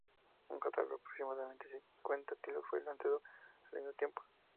Un catálogo de aproximadamente cincuenta títulos fue lanzado al mismo tiempo.